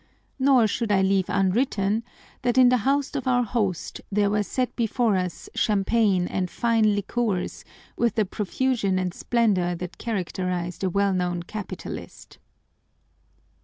Nor should I leave unwritten that in the house of our host there were set before us champagne and fine liqueurs with the profusion and splendor that characterize the well known capitalist.